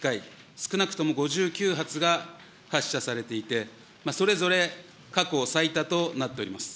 少なくとも５９発が発射されていて、それぞれ過去最多となっております。